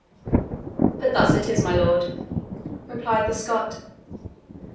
"But thus it is, my lord," replied the Scot.